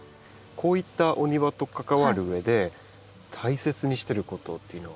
こういったお庭と関わるうえで大切にしてることっていうのは？